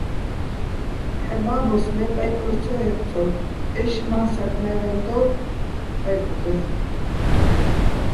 ჰ̦ე ბაბოს ლე პაჲპრუზ ცო ე́ბწორ - ეშშმაჼ საკმე́ველ დორ პაჲპრუზეხ.